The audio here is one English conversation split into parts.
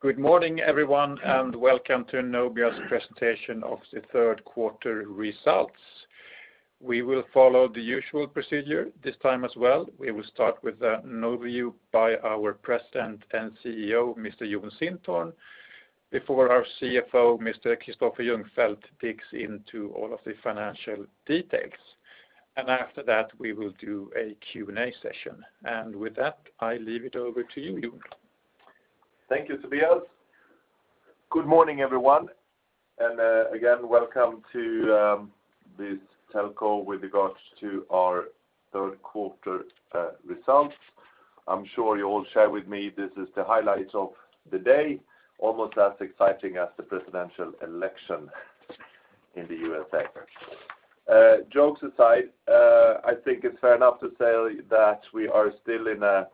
Good morning, everyone, welcome to Nobia's Presentation of the Q3 Results. We will follow the usual procedure this time as well. We will start with an overview by our President and CEO, Mr. Jon Sintorn, before our CFO, Mr. Kristoffer Ljungfelt, digs into all of the financial details. After that, we will do a Q&A session. With that, I leave it over to you, Jon. Thank you, Tobias. Good morning, everyone. Again, welcome to this telco with regards to our Q3 results. I'm sure you all share with me this is the highlight of the day, almost as exciting as the presidential election in the U.S. election. Jokes aside, I think it's fair enough to say that we are still in a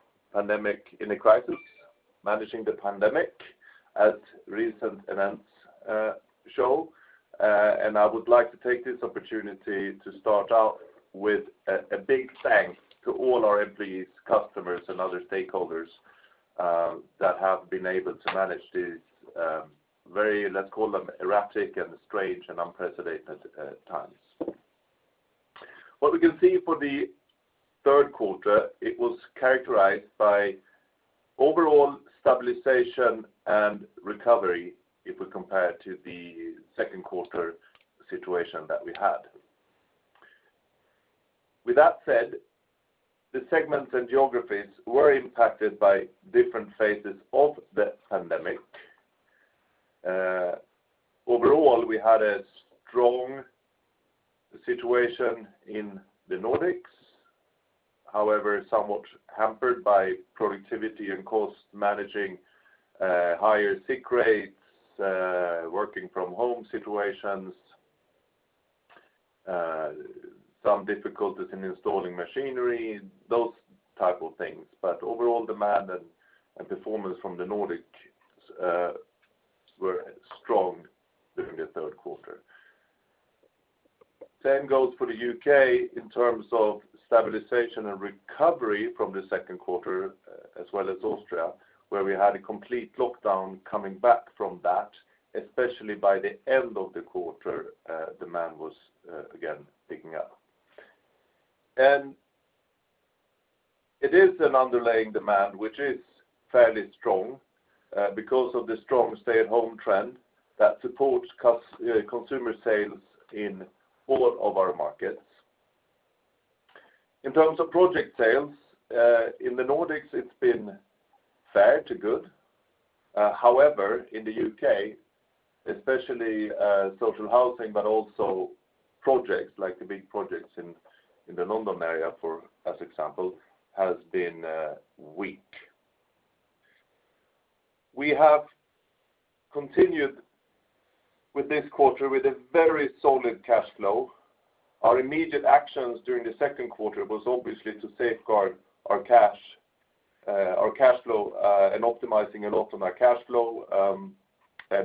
crisis managing the pandemic, as recent events show. I would like to take this opportunity to start out with a big thanks to all our employees, customers, and other stakeholders that have been able to manage these very, let's call them, erratic and strange and unprecedented times. What we can see for the Q3, it was characterized by overall stabilization and recovery if we compare it to the Q2 situation that we had. With that said, the segments and geographies were impacted by different phases of the pandemic. Overall, we had a strong situation in the Nordics, however, somewhat hampered by productivity and cost managing higher sick rates, working from home situations, some difficulties in installing machinery, those type of things. Overall demand and performance from the Nordics were strong during the Q3. Same goes for the U.K. in terms of stabilization and recovery from the Q2, as well as Austria, where we had a complete lockdown coming back from that, especially by the end of the quarter, demand was again picking up. It is an underlying demand, which is fairly strong because of the strong stay-at-home trend that supports consumer sales in all of our markets. In terms of project sales, in the Nordics, it's been fair to good. However, in the U.K., especially social housing, but also projects like the big projects in the London area, as example, has been weak. We have continued with this quarter with a very solid cash flow. Our immediate actions during the Q2 was obviously to safeguard our cash flow and optimizing a lot of our cash flow.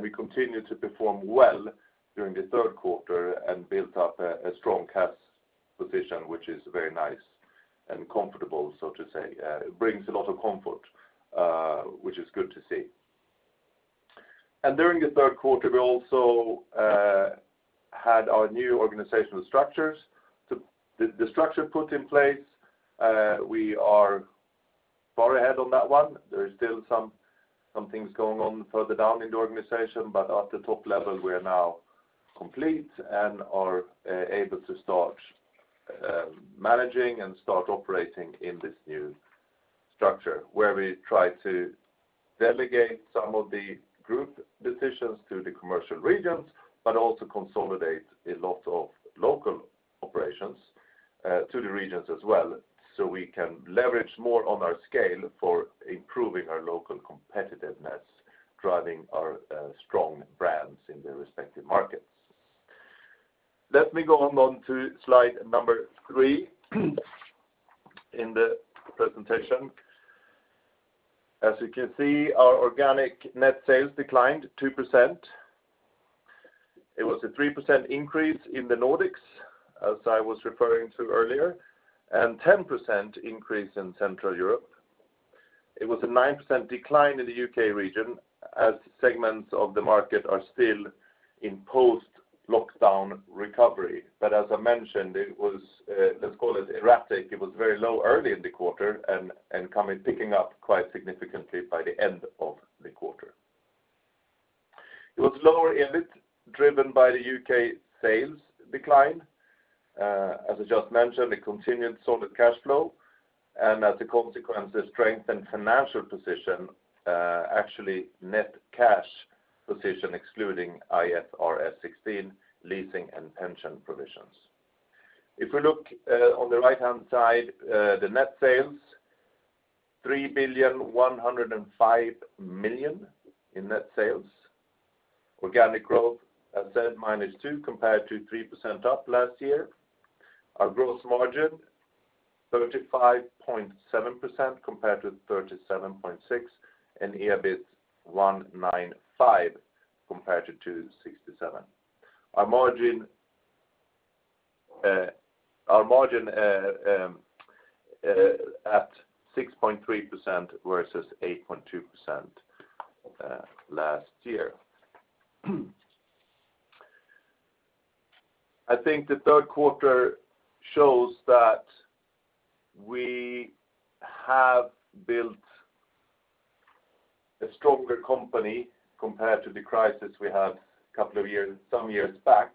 We continued to perform well during the Q3 and built up a strong cash position, which is very nice and comfortable, so to say. It brings a lot of comfort, which is good to see. During the Q3, we also had our new organizational structures, the structure put in place. We are far ahead on that one. There is still some things going on further down in the organization, but at the top level, we are now complete and are able to start managing and start operating in this new structure, where we try to delegate some of the group decisions to the commercial regions, but also consolidate a lot of local operations to the regions as well, so we can leverage more on our scale for improving our local competitiveness, driving our strong brands in their respective markets. Let me go on to slide 3 in the presentation. As you can see, our organic net sales declined 2%. It was a 3% increase in the Nordics, as I was referring to earlier, and 10% increase in Central Europe. It was a 9% decline in the U.K. region as segments of the market are still in post-lockdown recovery. As I mentioned, let's call it erratic. It was very low early in the quarter and picking up quite significantly by the end of the quarter. It was lower EBIT driven by the U.K. sales decline. As I just mentioned, a continued solid cash flow, and as a consequence, a strengthened financial position, actually net cash position excluding IFRS 16 leasing and pension provisions. If we look on the right-hand side, the net sales, 3.105 billion In net sales. Organic growth, as said, -2% compared to 3% up last year. Our gross margin, 35.7% compared to 37.6%. EBIT, 195 million compared to SEK 67 million. Our margin at 6.3% versus 8.2% last year. I think the Q3 shows that we have built a stronger company compared to the crisis we had some years back.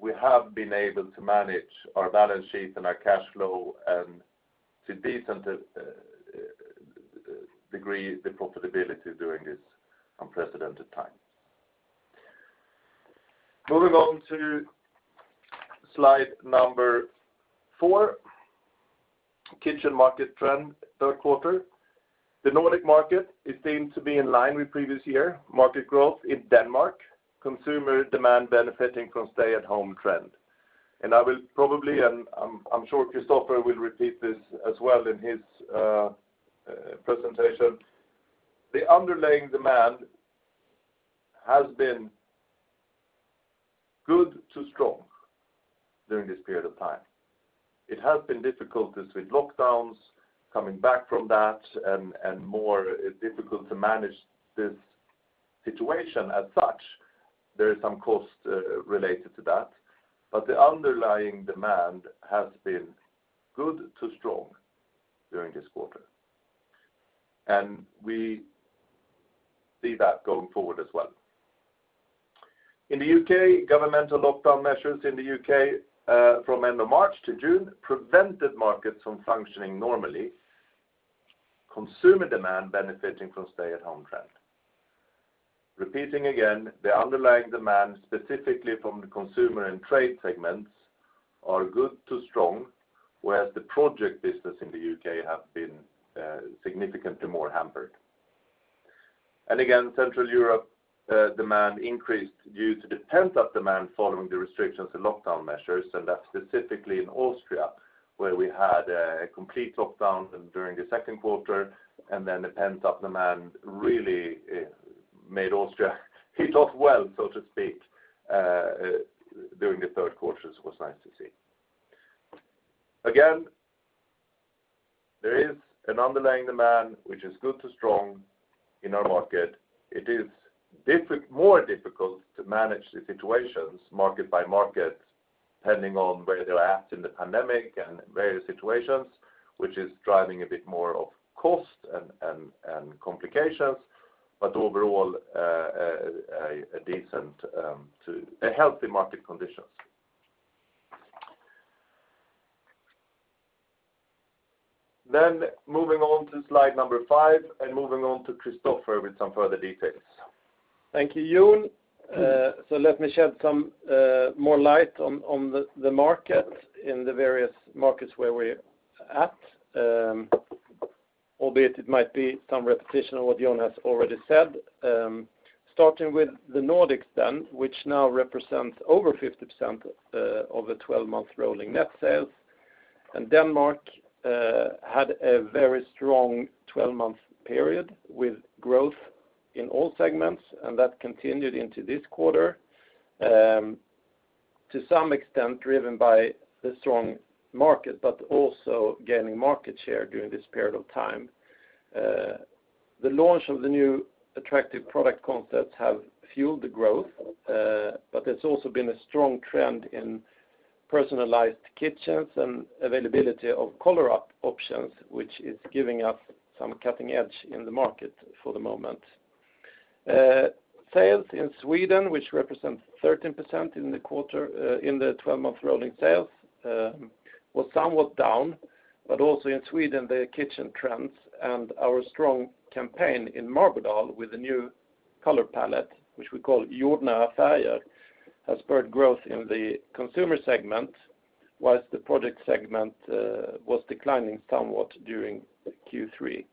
We have been able to manage our balance sheet and our cash flow and to a decent degree, the profitability during this unprecedented time. Moving on to slide 4, kitchen market trend, Q3. The Nordic market is deemed to be in line with previous year market growth in Denmark, consumer demand benefiting from stay-at-home trend. I will probably, and I'm sure Kristoffer will repeat this as well in his presentation, the underlying demand has been good to strong during this period of time. It has been difficult with lockdowns, coming back from that, and more difficult to manage this situation as such. There is some cost related to that, the underlying demand has been good to strong during this quarter. We see that going forward as well. In the U.K., governmental lockdown measures in the U.K. from end of March to June prevented markets from functioning normally. Consumer demand benefiting from stay-at-home trend. Repeating again, the underlying demand, specifically from the consumer and trade segments, are good to strong, whereas the project business in the U.K. have been significantly more hampered. Again, Central Europe demand increased due to the pent-up demand following the restrictions and lockdown measures, and that's specifically in Austria, where we had a complete lockdown during the Q2, and then the pent-up demand really made Austria hit off well, so to speak, during the Q3. It was nice to see. Again, there is an underlying demand which is good to strong in our market. It is more difficult to manage the situations market by market, depending on where they're at in the pandemic and various situations, which is driving a bit more of cost and complications, but overall, a healthy market conditions. Moving on to slide 5, and moving on to Kristoffer with some further details. Thank you, Jon. Let me shed some more light on the market in the various markets where we're at, albeit it might be some repetition of what Jon has already said. Starting with the Nordics then, which now represents over 50% of the 12-month rolling net sales. Denmark had a very strong 12-month period with growth in all segments, and that continued into this quarter, to some extent driven by the strong market, but also gaining market share during this period of time. The launch of the new attractive product concepts have fueled the growth, but there's also been a strong trend in personalized kitchens and availability of color options, which is giving us some cutting edge in the market for the moment. Sales in Sweden, which represent 13% in the 12-month rolling sales, was somewhat down. Also in Sweden, the kitchen trends and our strong campaign in Marbodal with the new color palette, which we call Jordnära färger, has spurred growth in the consumer segment, whilst the project segment was declining somewhat during Q3.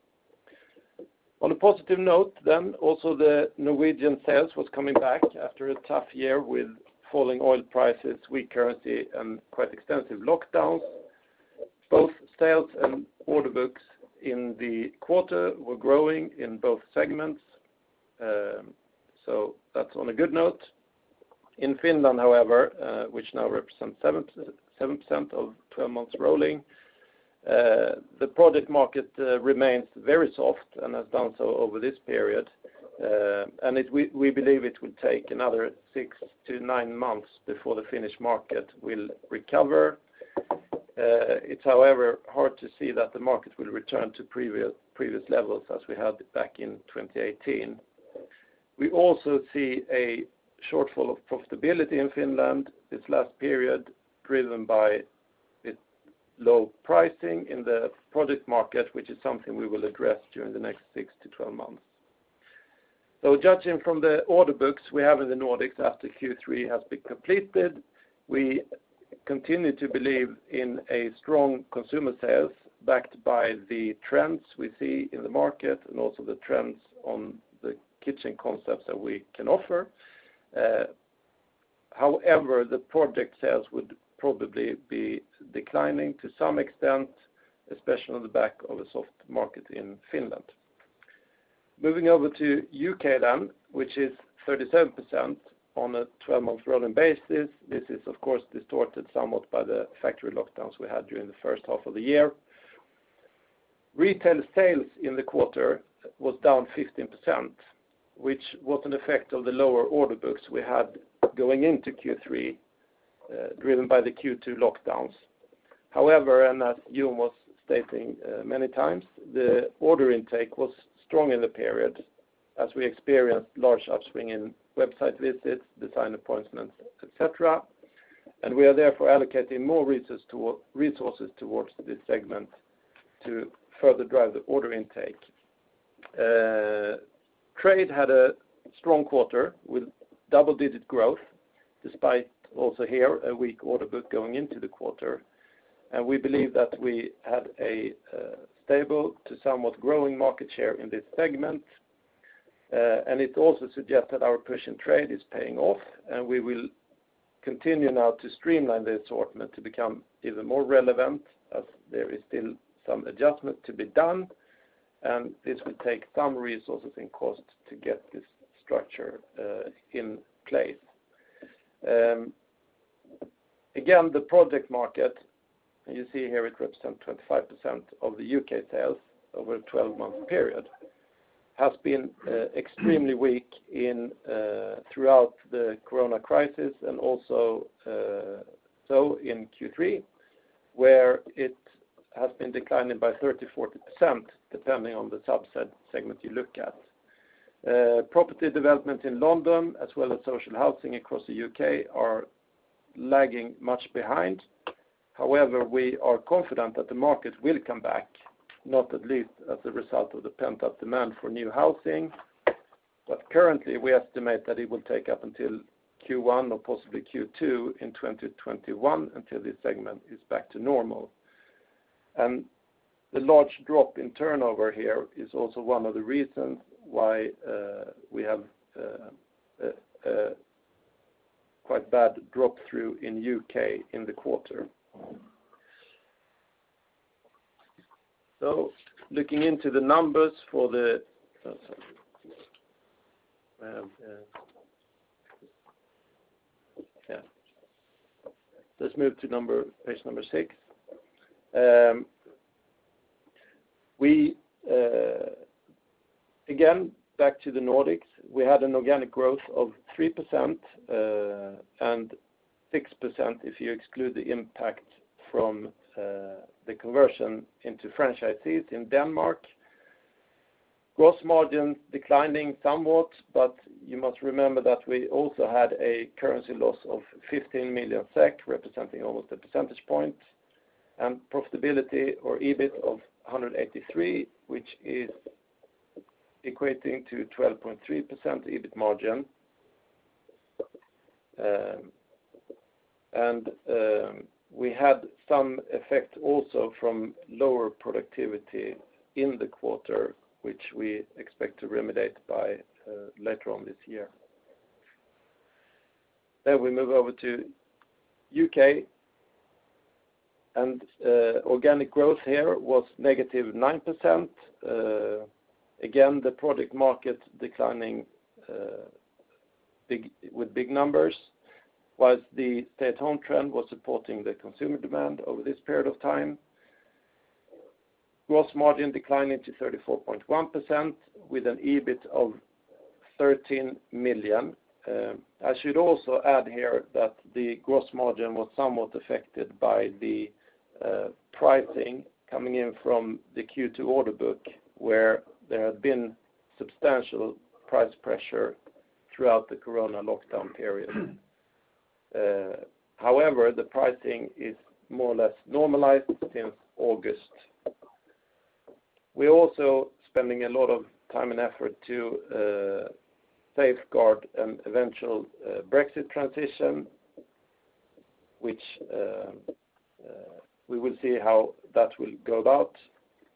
On a positive note, also the Norwegian sales was coming back after a tough year with falling oil prices, weak currency, and quite extensive lockdowns. Both sales and order books in the quarter were growing in both segments. That's on a good note. In Finland, however, which now represents 7% of 12 months rolling, the project market remains very soft and has done so over this period. We believe it will take another six to nine months before the Finnish market will recover. It's however hard to see that the market will return to previous levels as we had back in 2018. We also see a shortfall of profitability in Finland this last period, driven by its low pricing in the project market, which is something we will address during the next 6-12 months. Judging from the order books we have in the Nordics after Q3 has been completed, we continue to believe in a strong consumer sales backed by the trends we see in the market and also the trends on the kitchen concepts that we can offer. However, the project sales would probably be declining to some extent, especially on the back of a soft market in Finland. Moving over to U.K. then, which is 37% on a 12-month rolling basis. This is, of course, distorted somewhat by the factory lockdowns we had during the first half of the year. Retail sales in the quarter was down 15%, which was an effect of the lower order books we had going into Q3, driven by the Q2 lockdowns. However, and as Jon was stating many times, the order intake was strong in the period as we experienced large upswing in website visits, design appointments, et cetera, and we are therefore allocating more resources towards this segment to further drive the order intake. Trade had a strong quarter with double-digit growth, despite also here, a weak order book going into the quarter. We believe that we had a stable to somewhat growing market share in this segment. It also suggests that our push in trade is paying off, and we will continue now to streamline the assortment to become even more relevant as there is still some adjustment to be done, and this will take some resources and cost to get this structure in place. Again, the project market, you see here it represents 25% of the U.K. sales over a 12-month period, has been extremely weak throughout the COVID-19 pandemic and also in Q3, where it has been declining by 30%, 40%, depending on the subset segment you look at. Property development in London, as well as social housing across the U.K., are lagging much behind. However, we are confident that the market will come back, not at least as a result of the pent-up demand for new housing. Currently, we estimate that it will take up until Q1 or possibly Q2 in 2021 until this segment is back to normal. The large drop in turnover here is also one of the reasons why we have a quite bad drop-through in U.K. in the quarter. Oh, sorry. Let's move to page 6. Again, back to the Nordics. We had an organic growth of 3% and 6% if you exclude the impact from the conversion into franchisees in Denmark. Gross margin declining somewhat, you must remember that we also had a currency loss of 15 million SEK, representing almost a percentage point, and profitability or EBIT of 183, which is equating to 12.3% EBIT margin. We had some effect also from lower productivity in the quarter, which we expect to remediate by later on this year. We move over to U.K., and organic growth here was -9%. Again, the project market declining with big numbers, whilst the stay-at-home trend was supporting the consumer demand over this period of time. Gross margin declining to 34.1% with an EBIT of 13 million. I should also add here that the gross margin was somewhat affected by the pricing coming in from the Q2 order book, where there had been substantial price pressure throughout the Corona lockdown period. The pricing is more or less normalized since August. We're also spending a lot of time and effort to safeguard an eventual Brexit transition, which we will see how that will go about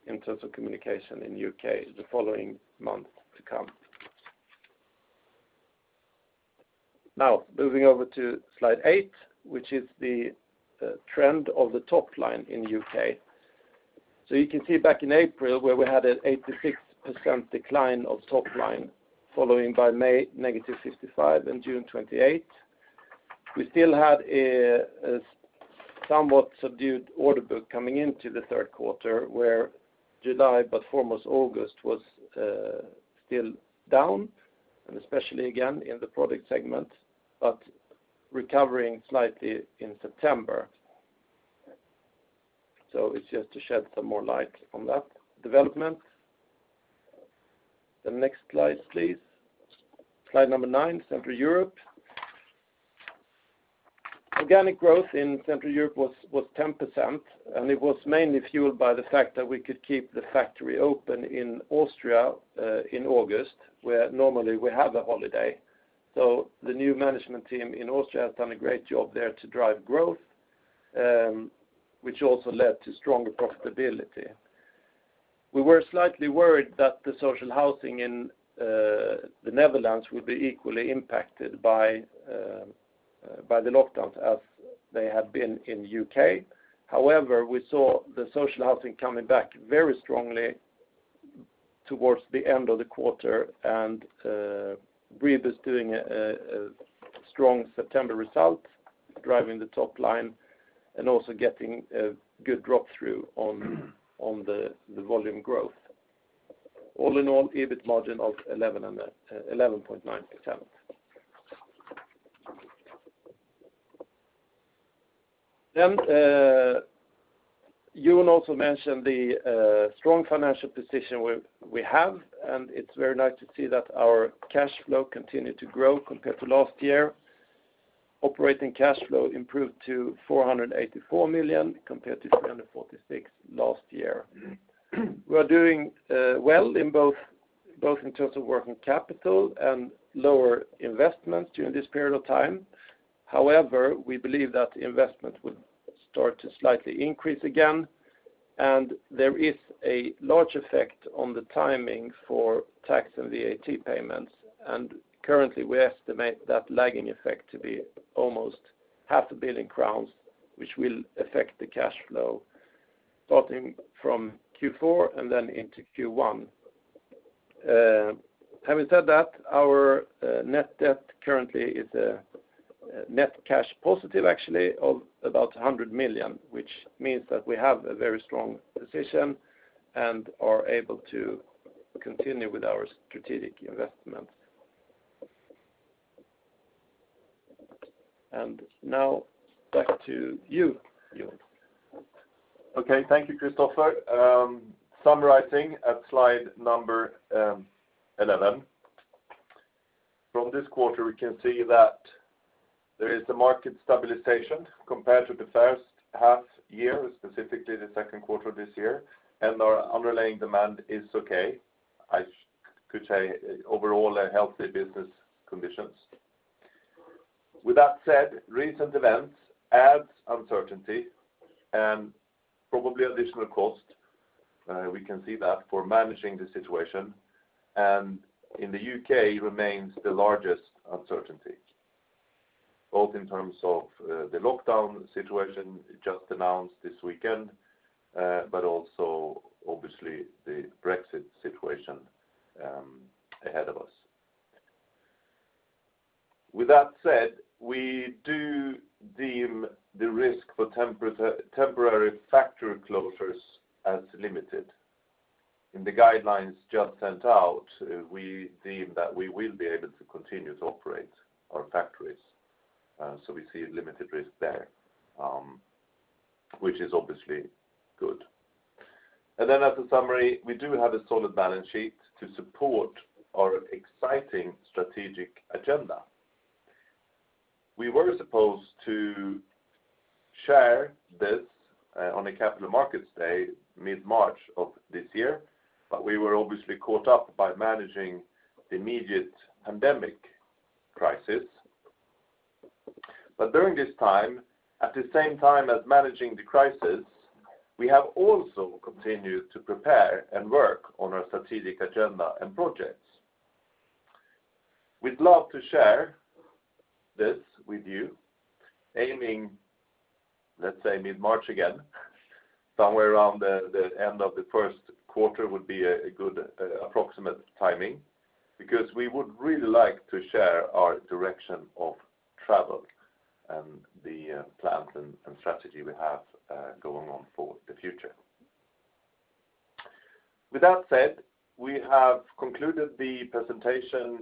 in terms of communication in U.K. the following month to come. Moving over to slide 8, which is the trend of the top line in U.K. You can see back in April, where we had an 86% decline of top line following by May, -65%, and June, -28%. We still had a somewhat subdued order book coming into the Q3 where July, but foremost August, was still down, and especially again in the product segment, but recovering slightly in September. It's just to shed some more light on that development. The next slide, please. Slide 9, Central Europe. Organic growth in Central Europe was 10%, and it was mainly fueled by the fact that we could keep the factory open in Austria in August, where normally we have a holiday. The new management team in Austria has done a great job there to drive growth, which also led to stronger profitability. We were slightly worried that the social housing in the Netherlands will be equally impacted by the lockdowns as they have been in the U.K. However, we saw the social housing coming back very strongly towards the end of the quarter, and Bribus is doing a strong September result, driving the top line and also getting a good drop-through on the volume growth. All in all, EBIT margin of 11.9%. Jon also mentioned the strong financial position we have, and it's very nice to see that our cash flow continued to grow compared to last year. Operating cash flow improved to 484 million compared to 346 last year. We are doing well both in terms of working capital and lower investments during this period of time. However, we believe that investment will start to slightly increase again, and there is a large effect on the timing for tax and VAT payments. Currently, we estimate that lagging effect to be almost 0.5 billion crowns, which will affect the cash flow starting from Q4 and then into Q1. Having said that, our net debt currently is net cash positive actually of about 100 million, which means that we have a very strong position and are able to continue with our strategic investments. Now back to you, Jon. Okay. Thank you, Kristoffer. Summarizing at slide 11. From this quarter, we can see that there is a market stabilization compared to the first half year, specifically the Q2 of this year, and our underlying demand is okay. I could say overall healthy business conditions. With that said, recent events add uncertainty and probably additional cost, we can see that, for managing the situation. The U.K. remains the largest uncertainty, both in terms of the lockdown situation just announced this weekend, but also obviously the Brexit situation ahead of us. With that said, we do deem the risk for temporary factory closures as limited. In the guidelines just sent out, we deem that we will be able to continue to operate our factories. We see limited risk there, which is obviously good. As a summary, we do have a solid balance sheet to support our exciting strategic agenda. We were supposed to share this on a capital markets day mid-March of this year, but we were obviously caught up by managing the immediate pandemic crisis. During this time, at the same time as managing the crisis, we have also continued to prepare and work on our strategic agenda and projects. We'd love to share this with you, aiming, let's say, mid-March again. Somewhere around the end of the Q1 would be a good approximate timing, because we would really like to share our direction of travel and the plans and strategy we have going on for the future. With that said, we have concluded the presentation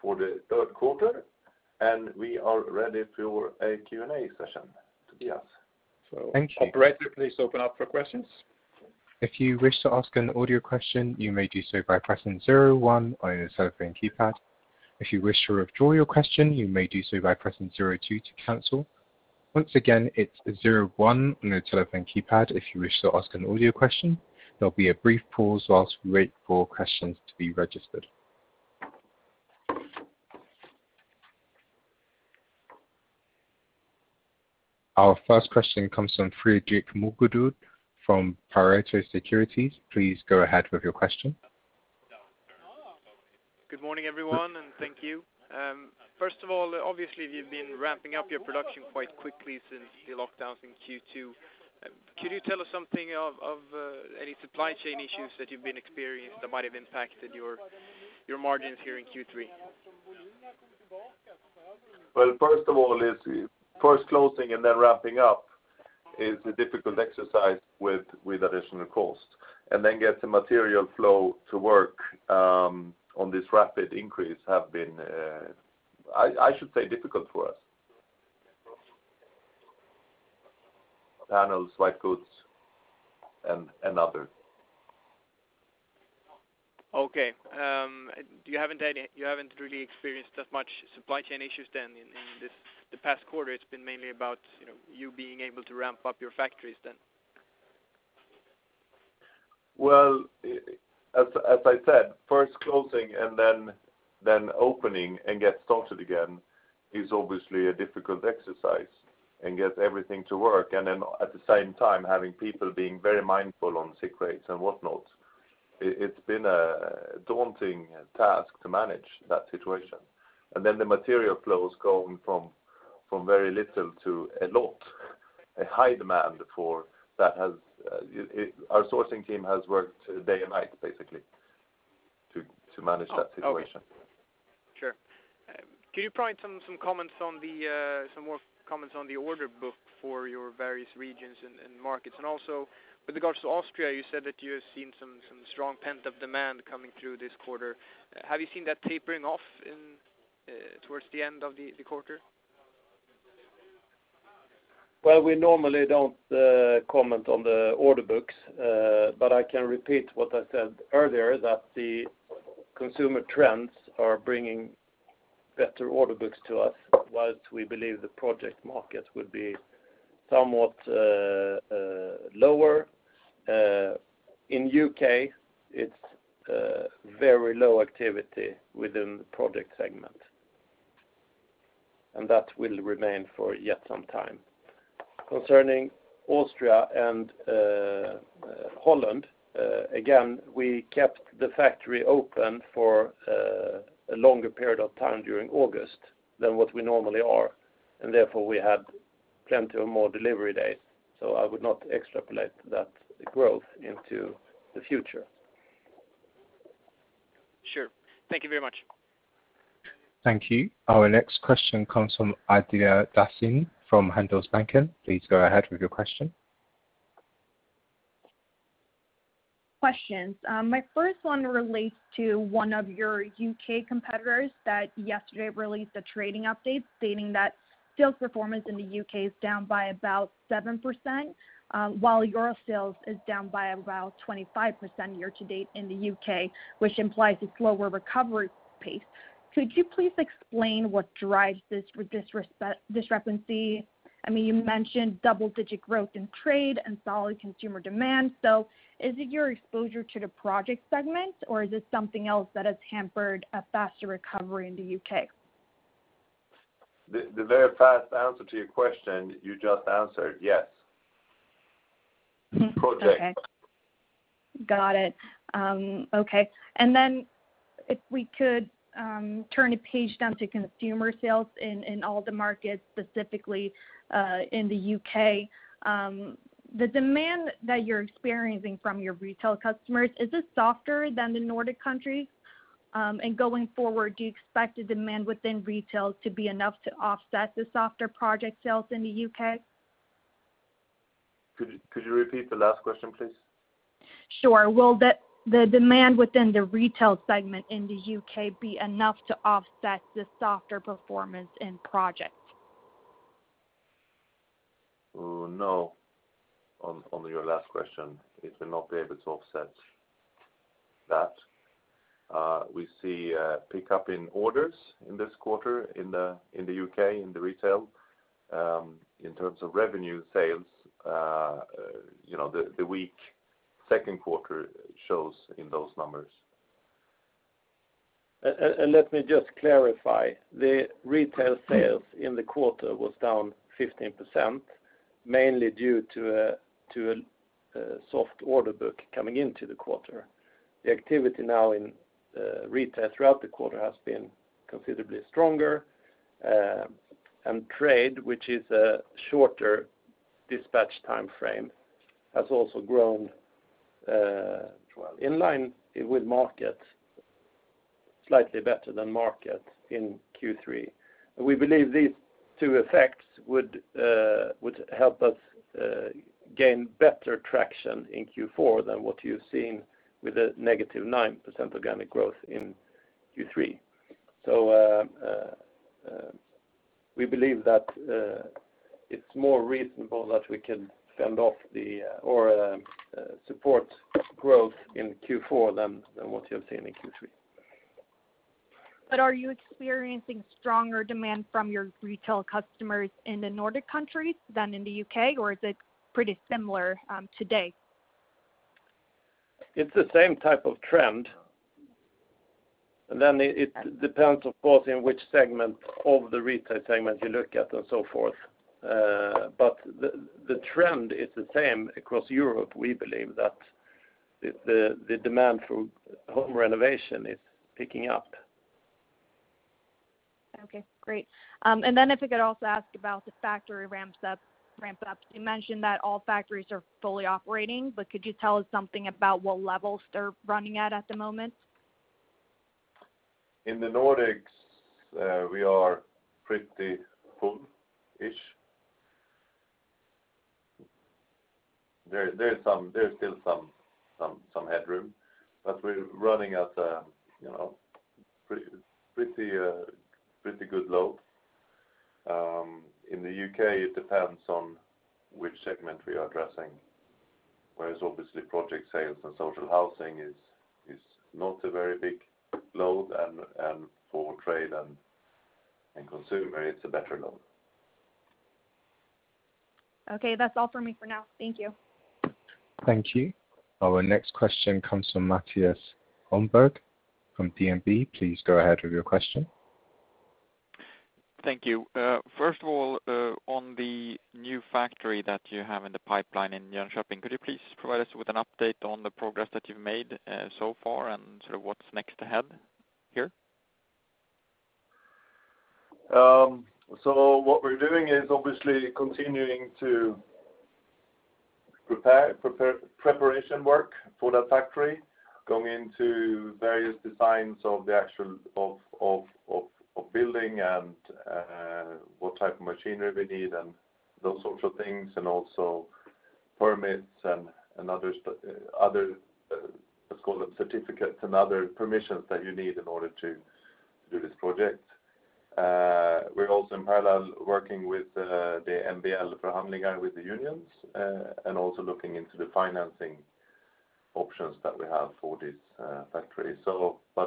for the Q3, and we are ready for a Q&A session. Tobias? Operator, please open up for questions. Our first question comes from Fredrik Moregård from Pareto Securities. Please go ahead with your question. Good morning, everyone, thank you. First of all, obviously, you've been ramping up your production quite quickly since the lockdowns in Q2. Could you tell us something of any supply chain issues that you've been experienced that might have impacted your margins here in Q3? Well, first of all, first closing and then ramping up is a difficult exercise with additional cost. Get the material flow to work on this rapid increase have been, I should say, difficult for us. Panels, white goods, and others. Okay. You haven't really experienced that much supply chain issues then in the past quarter? It's been mainly about you being able to ramp up your factories then? Well, as I said, first closing and then opening and get started again is obviously a difficult exercise and gets everything to work, and then at the same time having people being very mindful on sick rates and whatnot. It's been a daunting task to manage that situation. The material flow has gone from very little to a lot, a high demand. Our sourcing team has worked day and night, basically, to manage that situation. Okay. Sure. Can you provide some more comments on the order book for your various regions and markets? Also with regards to Austria, you said that you have seen some strong pent-up demand coming through this quarter. Have you seen that tapering off towards the end of the quarter? Well, we normally don't comment on the order books, but I can repeat what I said earlier, that the consumer trends are bringing better order books to us, while we believe the project market would be somewhat lower. In U.K., it's very low activity within the project segment, and that will remain for yet some time. Concerning Austria and Holland, again, we kept the factory open for a longer period of time during August than what we normally are, and therefore we had plenty of more delivery days, so I would not extrapolate that growth into the future. Sure. Thank you very much. Thank you. Our next question comes from Adela Dashian from Handelsbanken. Please go ahead with your question. Questions. My first one relates to one of your U.K. competitors that yesterday released a trading update stating that sales performance in the U.K. is down by about 7%, while your sales is down by about 25% year to date in the U.K., which implies a slower recovery pace. Could you please explain what drives this discrepancy? You mentioned double-digit growth in trade and solid consumer demand. Is it your exposure to the project segment, or is it something else that has hampered a faster recovery in the U.K.? The very fast answer to your question, you just answered, yes. Projects. Okay. Got it. Okay. If we could turn a page down to consumer sales in all the markets, specifically, in the U.K. The demand that you're experiencing from your retail customers, is it softer than the Nordic countries? Going forward, do you expect the demand within retail to be enough to offset the softer project sales in the U.K.? Could you repeat the last question, please? Sure. Will the demand within the retail segment in the U.K. be enough to offset the softer performance in projects? No. On your last question, it will not be able to offset that. We see a pickup in orders in this quarter in the U.K. in the retail. In terms of revenue sales, the weak Q2 shows in those numbers. Let me just clarify. The retail sales in the quarter was down 15%, mainly due to a soft order book coming into the quarter. The activity now in retail throughout the quarter has been considerably stronger. Trade, which is a shorter dispatch timeframe, has also grown in line with market, slightly better than market in Q3. We believe these two effects would help us gain better traction in Q4 than what you're seeing with a negative 9% organic growth in Q3. We believe that it's more reasonable that we can fend off or support growth in Q4 than what you have seen in Q3. Are you experiencing stronger demand from your retail customers in the Nordic countries than in the U.K., or is it pretty similar today? It's the same type of trend, then it depends, of course, in which segment of the retail segment you look at and so forth. The trend is the same across Europe. We believe that the demand for home renovation is picking up. Okay, great. If I could also ask about the factory ramp-ups. You mentioned that all factories are fully operating, but could you tell us something about what levels they're running at the moment? In the Nordics, we are pretty full-ish. There is still some headroom, but we're running at a pretty good load. In the U.K., it depends on which segment we are addressing. Whereas obviously project sales and social housing is not a very big load, and for trade and consumer, it's a better load. Okay. That's all for me for now. Thank you. Thank you. Our next question comes from Mattias Holmberg from DNB. Please go ahead with your question. Thank you. First of all, on the new factory that you have in the pipeline in Jönköping, could you please provide us with an update on the progress that you've made so far and what's next ahead here? What we're doing is obviously continuing to preparation work for that factory, going into various designs of the actual building and what type of machinery we need and those sorts of things, and also permits and other, let's call them certificates and other permissions that you need in order to do this project. We're also in parallel working with the MBL for handling with the unions, and also looking into the financing options that we have for this factory.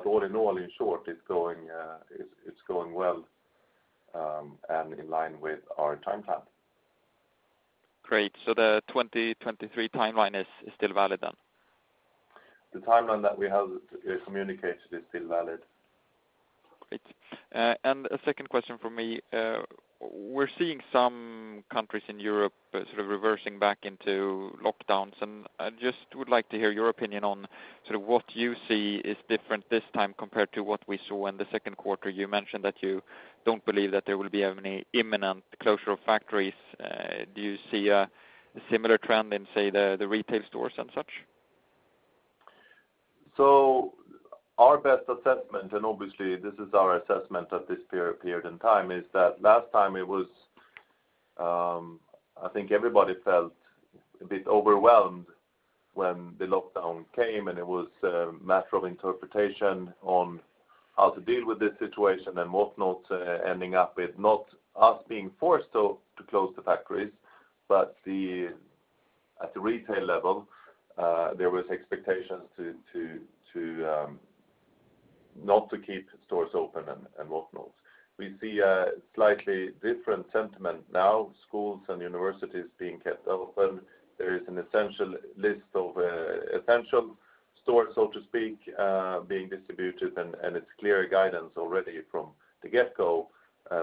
All in all, in short, it's going well and in line with our timeline. Great. The 2023 timeline is still valid then? The timeline that we have communicated is still valid. Great. A second question from me. We're seeing some countries in Europe sort of reversing back into lockdowns, and I just would like to hear your opinion on sort of what you see is different this time compared to what we saw in the Q2. You mentioned that you don't believe that there will be any imminent closure of factories. Do you see a similar trend in, say, the retail stores and such? Our best assessment, and obviously this is our assessment at this period in time, is that last time it was, I think everybody felt a bit overwhelmed when the lockdown came, and it was a matter of interpretation on how to deal with this situation and what not ending up with not us being forced to close the factories, but at the retail level, there was expectations not to keep stores open and what not. We see a slightly different sentiment now, schools and universities being kept open. There is an essential list of essential stores, so to speak, being distributed, and it's clear guidance already from the get-go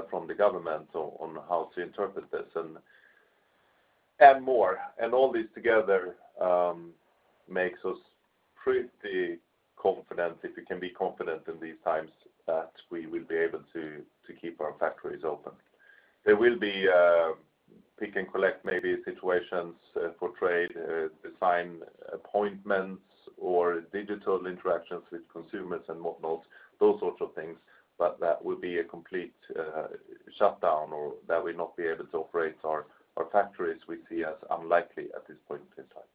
from the government on how to interpret this and add more. All this together makes us pretty confident, if we can be confident in these times, that we will be able to keep our factories open. There will be pick and collect maybe situations for trade, design appointments or digital interactions with consumers and what not, those sorts of things. That would be a complete shutdown or that we're not be able to operate our factories, we see as unlikely at this point in time.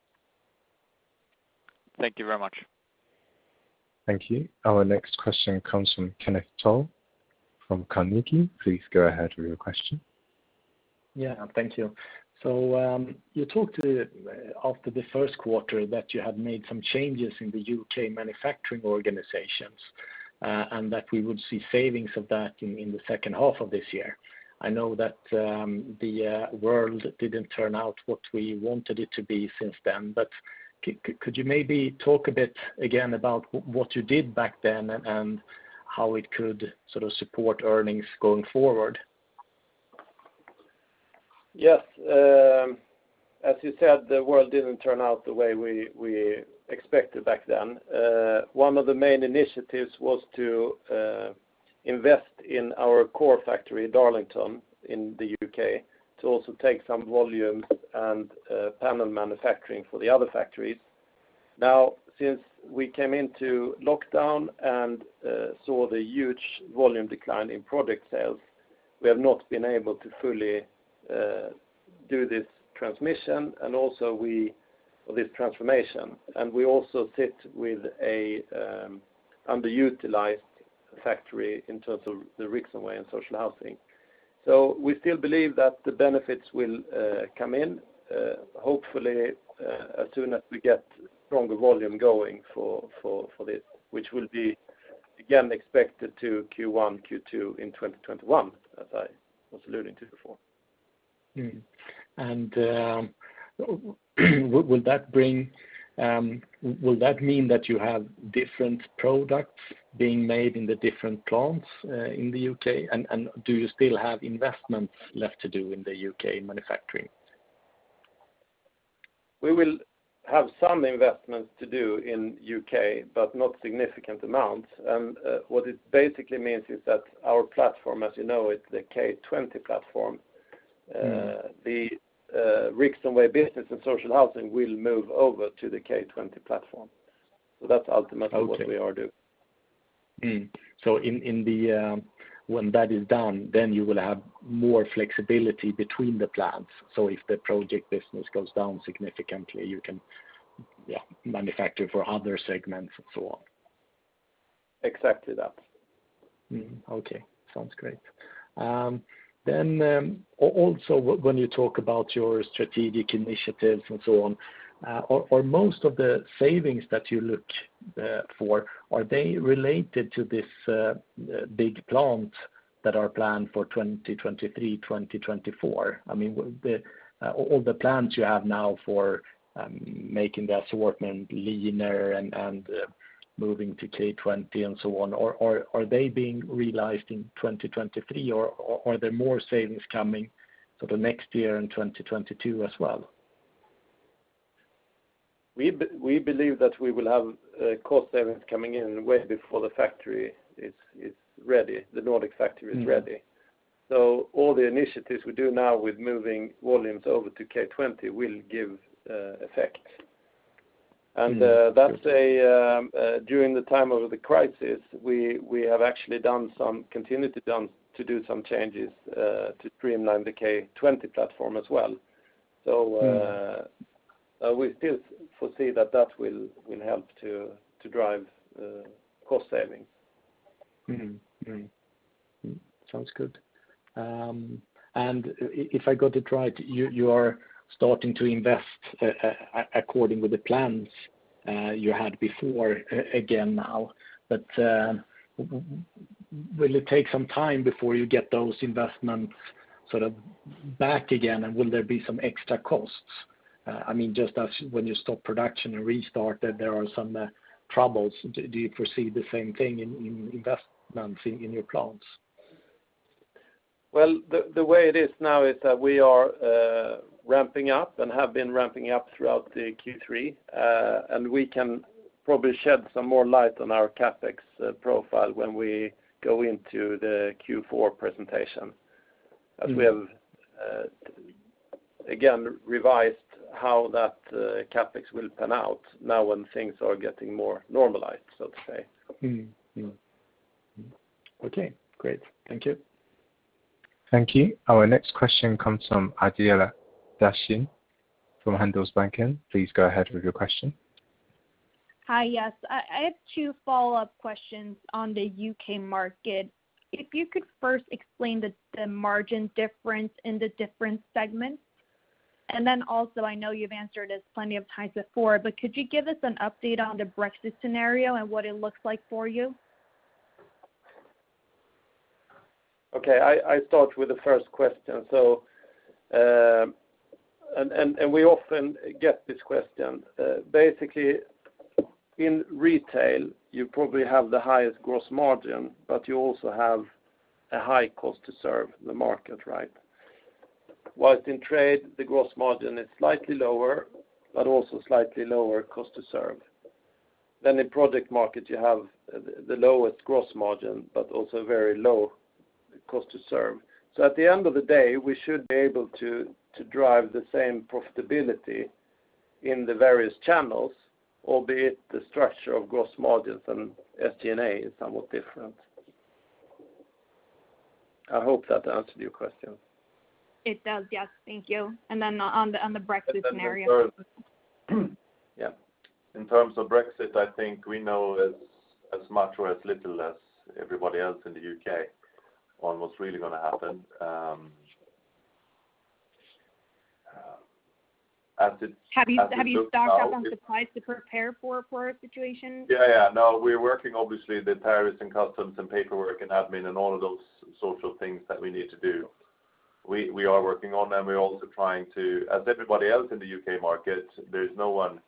Thank you very much. Thank you. Our next question comes from Kenneth Toll Johansson from Carnegie. Please go ahead with your question. Yeah, thank you. You talked after the Q1 that you had made some changes in the U.K. manufacturing organizations, and that we would see savings of that in the second half of this year. I know that the world didn't turn out what we wanted it to be since then, Could you maybe talk a bit again about what you did back then and how it could sort of support earnings going forward? Yes. As you said, the world didn't turn out the way we expected back then. One of the main initiatives was to invest in our core factory in Darlington in the U.K. to also take some volumes and panel manufacturing for the other factories. Since we came into lockdown and saw the huge volume decline in project sales, we have not been able to fully do this transmission, and also this transformation. We also sit with an underutilized factory in terms of the Rixonway and social housing. We still believe that the benefits will come in, hopefully as soon as we get stronger volume going for this, which will be again expected to Q1, Q2 in 2021, as I was alluding to before. Will that mean that you have different products being made in the different plants in the U.K.? Do you still have investments left to do in the U.K. manufacturing? We will have some investments to do in U.K., but not significant amounts. What it basically means is that our platform, as you know, it's the K20 platform. The Rixonway business and social housing will move over to the K20 platform. That's ultimately what we are doing. When that is done, then you will have more flexibility between the plants. If the project business goes down significantly, you can manufacture for other segments and so on. Exactly that. Okay. Sounds great. Also when you talk about your strategic initiatives and so on, are most of the savings that you look for, are they related to these big plants that are planned for 2023, 2024? All the plans you have now for making the assortment leaner and moving to K20 and so on, are they being realized in 2023, or are there more savings coming sort of next year in 2022 as well? We believe that we will have cost savings coming in way before the Nordic factory is ready. All the initiatives we do now with moving volumes over to K20 will give effect. During the time of the crisis, we have actually continued to do some changes to streamline the K20 platform as well. We still foresee that that will help to drive cost savings. Sounds good. If I got it right, you are starting to invest according with the plans you had before again now, but will it take some time before you get those investments sort of back again, and will there be some extra costs? Just as when you stop production and restart it, there are some troubles. Do you foresee the same thing in investments in your plants? Well, the way it is now is that we are ramping up and have been ramping up throughout Q3, and we can probably shed some more light on our CapEx profile when we go into the Q4 presentation. As we have, again, revised how that CapEx will pan out now when things are getting more normalized, so to say. Okay, great. Thank you. Thank you. Our next question comes from Adela Dashian from Handelsbanken. Please go ahead with your question. Hi. Yes. I have two follow-up questions on the U.K. market. If you could first explain the margin difference in the different segments, and then also, I know you've answered this plenty of times before, but could you give us an update on the Brexit scenario and what it looks like for you? Okay. I start with the first question. We often get this question. Basically, in retail, you probably have the highest gross margin, but you also have a high cost to serve the market, right? Whilst in trade, the gross margin is slightly lower, but also slightly lower cost to serve. In project market, you have the lowest gross margin, but also very low cost to serve. At the end of the day, we should be able to drive the same profitability in the various channels, albeit the structure of gross margins and SG&A is somewhat different. I hope that answered your question. It does, yes. Thank you. Then on the Brexit scenario. Yeah. In terms of Brexit, I think we know as much or as little as everybody else in the U.K. on what's really going to happen. As it looks now. Have you stocked up on supplies to prepare for a situation? Yeah. No, we're working obviously with the tariffs and customs and paperwork and admin and all of those sorts of things that we need to do. We are working on them. We're also trying to, as everybody else in the U.K. market, there's no one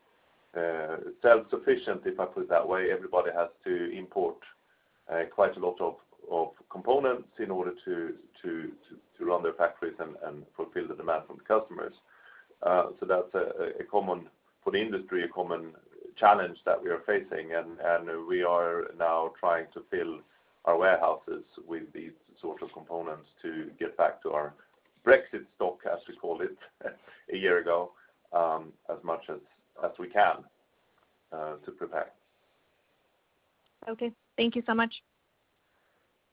self-sufficient, if I put it that way. Everybody has to import quite a lot of components in order to run their factories and fulfill the demand from customers. That's, for the industry, a common challenge that we are facing, and we are now trying to fill our warehouses with these sorts of components to get back to our Brexit stock, as we called it a year ago, as much as we can to prepare. Okay. Thank you so much.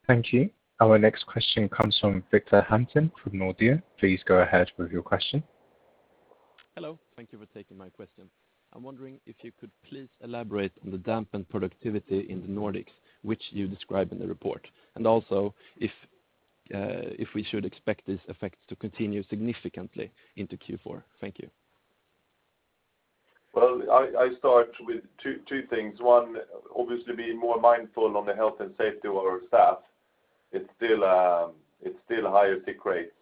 Thank you. Our next question comes from Victor Hansen from Nordea. Please go ahead with your question. Hello. Thank you for taking my question. I'm wondering if you could please elaborate on the dampened productivity in the Nordics, which you describe in the report, and also if we should expect this effect to continue significantly into Q4? Thank you. Well, I start with two things. One, obviously being more mindful on the health and safety of our staff. It's still higher sick rates.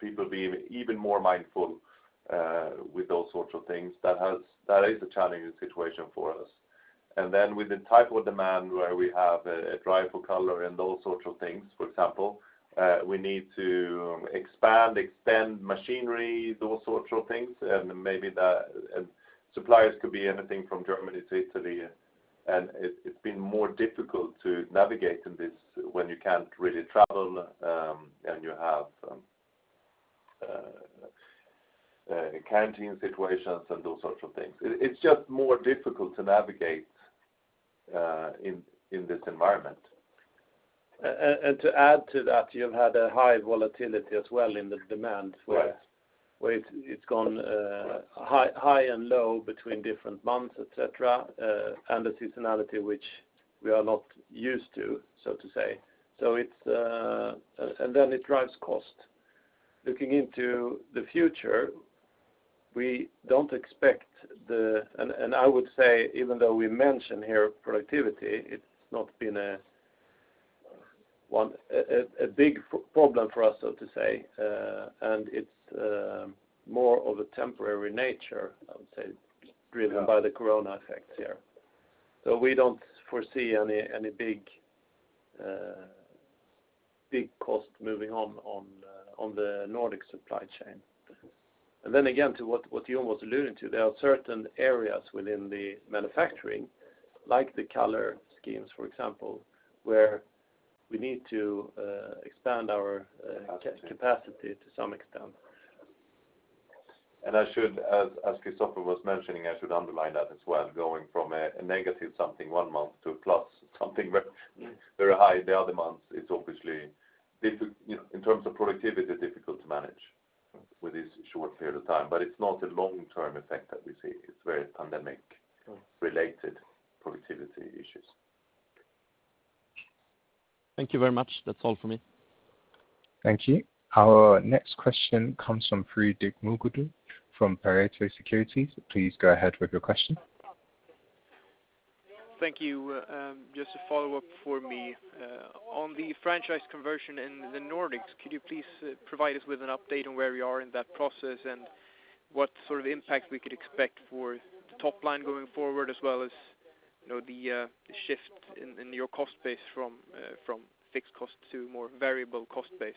People being even more mindful with those sorts of things. That is a challenging situation for us. Then with the type of demand where we have a drive for color and those sorts of things, for example, we need to expand, extend machinery, those sorts of things. Suppliers could be anything from Germany to Italy, and it's been more difficult to navigate in this when you can't really travel, and you have quarantine situations and those sorts of things. It's just more difficult to navigate in this environment. To add to that, you've had a high volatility as well in the demand where it's gone high and low between different months, et cetera, and the seasonality, which we are not used to, so to say. Then it drives cost. Looking into the future, I would say, even though we mention here productivity, it's not been a big problem for us, so to say, and it's more of a temporary nature, I would say, driven by the corona effect here. We don't foresee any big cost moving on the Nordic supply chain. Then again, to what Jon was alluding to, there are certain areas within the manufacturing, like the color schemes, for example, where we need to expand our capacity to some extent. I should, as Kristoffer was mentioning, I should underline that as well, going from a negative something one month to a plus something very high the other month, it's obviously, in terms of productivity, difficult to manage with this short period of time. It's not a long-term effect that we see. It's very pandemic-related productivity issues. Thank you very much. That's all from me. Thank you. Our next question comes from Fredrik Moregård from Pareto Securities. Please go ahead with your question. Thank you. Just a follow-up for me. On the franchise conversion in the Nordics, could you please provide us with an update on where we are in that process and what sort of impact we could expect for the top line going forward, as well as the shift in your cost base from fixed cost to more variable cost base?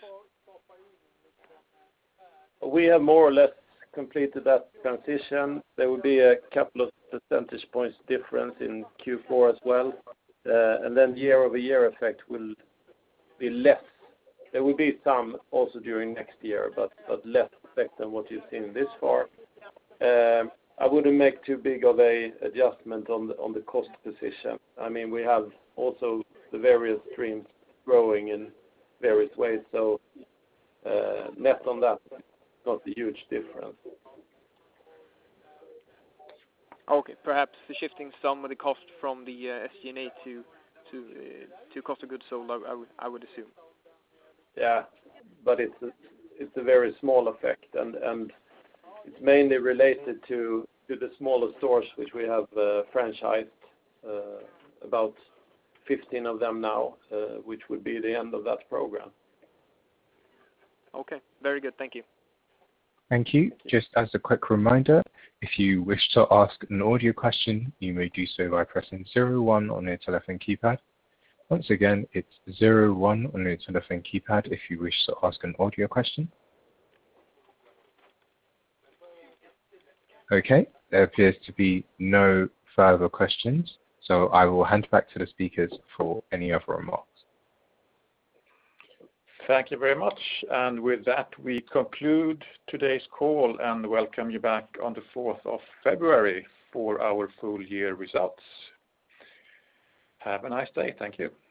We have more or less completed that transition. There will be a couple of percentage points difference in Q4 as well. Year-over-year effect will be less. There will be some also during next year, but less effect than what you've seen this far. I wouldn't make too big of an adjustment on the cost position. We have also the various streams growing in various ways. Net on that, not a huge difference. Okay. Perhaps the shifting some of the cost from the SG&A to cost of goods sold, I would assume. It's a very small effect, and it's mainly related to the smaller stores which we have franchised, about 15 of them now, which would be the end of that program. Okay. Very good. Thank you. Thank you. Just as a quick reminder, if you wish to ask an audio question, you may do so by pressing 01 on your telephone keypad. Once again, it's 01 on your telephone keypad if you wish to ask an audio question. Okay. There appears to be no further questions, so I will hand back to the speakers for any other remarks. Thank you very much. With that, we conclude today's call and welcome you back on the 4th of February for our full-year results. Have a nice day. Thank you.